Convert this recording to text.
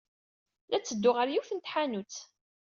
La ttedduɣ ɣer yiwet n tḥanut.